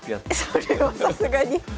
それはさすがに。